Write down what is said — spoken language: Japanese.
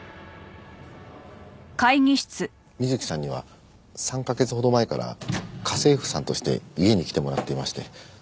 美月さんには３カ月ほど前から家政婦さんとして家に来てもらっていまして。